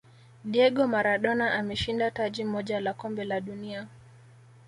diego maradona ameshinda taji moja la kombe la dunia